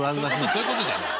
そういうことじゃない。